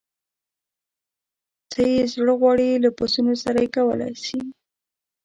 څه یې زړه غواړي له پسونو سره یې کولای شي.